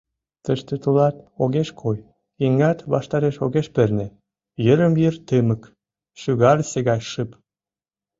Тыште тулат огеш кой, еҥат ваштареш огеш перне, йырым-йыр тымык, шӱгарысе гай шып.